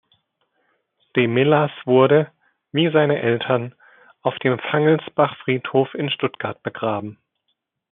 De Millas wurde, wie seine Eltern, auf dem Fangelsbach-Friedhof in Stuttgart begraben.